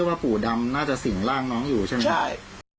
อบว่าผู้ของหลางเองก็ไว้ตาย